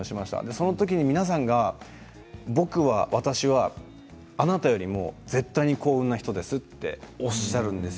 その時に皆さんが僕が私はあなたよりも絶対に幸運な人ですとおっしゃるんです。